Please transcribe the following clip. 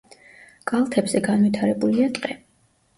კალთებზე განვითარებულია ტყე.